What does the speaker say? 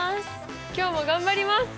今日も頑張ります！